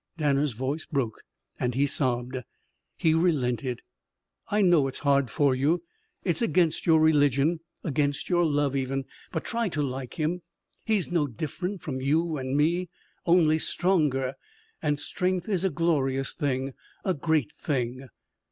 Danner's voice broke and he sobbed. He relented. "I know it's hard for you. It's against your religion against your love, even. But try to like him. He's no different from you and me only stronger. And strength is a glorious thing, a great thing.